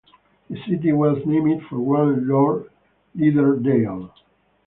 The city was named for one Lord Lidderdale.